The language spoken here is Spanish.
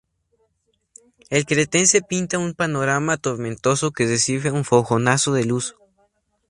El cretense pinta un panorama tormentoso, que recibe un fogonazo de luz.